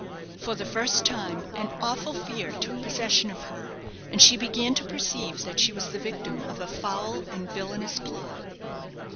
For the first time, an awful fear took possession of her, and she began to perceive that she was the victim of a foul and villanous plot.